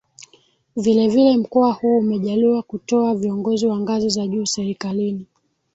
Vile vile Mkoa huu umejaliwa kutoa viongozi wa ngazi za juu Serikalini